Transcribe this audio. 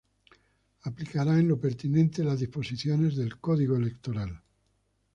Aplicará en lo pertinente las disposiciones del Código Electoral".